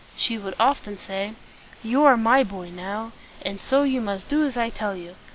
She would often say, "You are my boy now, and so you must do as I tell you.